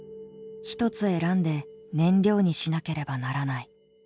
ひとつ選んで燃料にしなければならない。